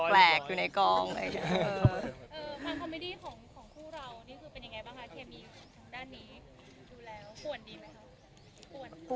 คอมเมอดี้ของคู่เรานี่เป็นไงบ้างครับ